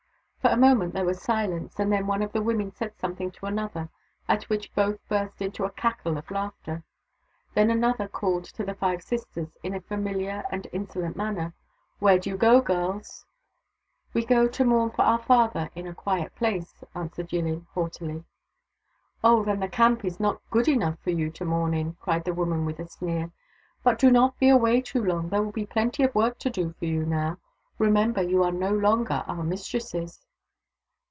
For a moment there was silence, and then one of the women said something to another at which THE DAUGHTERS OF WONKAWALA 167 both burst into a cackle of laughter. Then another called to the five sisters, in a famihar and insolent manner. " Where do you go, girls ?"" We go to mourn for our father in a quiet place," answered Yillin haughtily. " Oh — then the camp is not good enough for you to mourn in ?" cried the woman with a sneer. " But do not be away too long — there will be plenty of work to do, for you, now. Remember, you are no longer our mistresses."